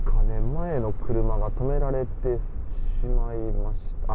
前の車が止められてしまいました。